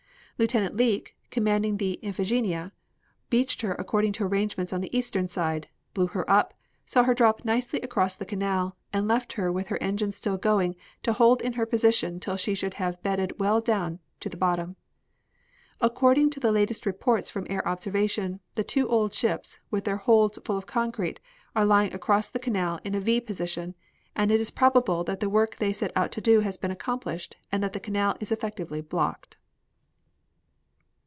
Lieutenant Leake, commanding the Iphigenia, beached her according to arrangement on the eastern side, blew her up, saw her drop nicely across the canal, and left her with her engines still going to hold her in position till she should have bedded well down on the bottom. According to the latest reports from air observation the two old ships, with their holds full of concrete, are lying across the canal in a V position, and it is probable that the work they set out to do has been accomplished and that the canal is effectively blocked."